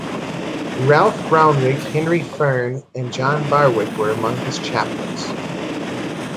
Ralph Brownrig, Henry Ferne and John Barwick were among his chaplains.